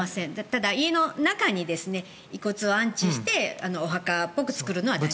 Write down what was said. ただ、家の中に遺骨を安置してお墓っぽく作るのは大丈夫です。